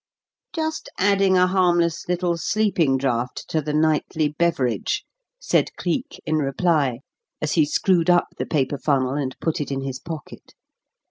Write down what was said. "Just adding a harmless little sleeping draught to the nightly beverage," said Cleek, in reply, as he screwed up the paper funnel and put it in his pocket.